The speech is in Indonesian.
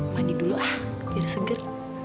mandi dulu ah biar segar